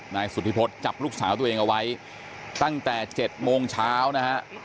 นายสุธิพฤษจับลูกสาวตัวเองเอาไว้ตั้งแต่๗โมงเช้านะฮะ